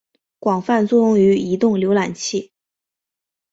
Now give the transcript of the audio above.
广泛作用于移动浏览器。